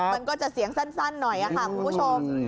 มันก็จะเสียงสั้นหน่อยค่ะคุณผู้ชม